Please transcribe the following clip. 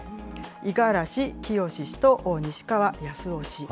五十嵐清氏と西川鎭央氏。